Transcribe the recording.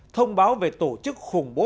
thông báo về tổ chức khủng bố